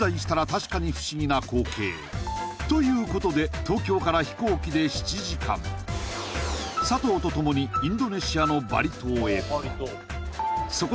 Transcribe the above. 確かに不思議な光景ということで東京から飛行機で７時間佐藤とともにインドネシアのバリ島へ